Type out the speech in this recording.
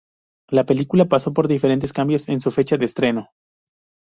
La película pasó por diferentes cambios en su fecha de estreno.